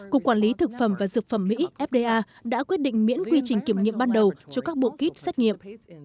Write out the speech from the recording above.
cục quản lý thực phẩm và dược phẩm mỹ fda đã quyết định miễn quy trình kiểm nghiệm ban đầu cho các bộ kít xét nghiệm